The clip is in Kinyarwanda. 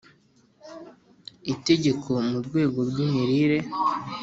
Itegeko mu rwego rw imirire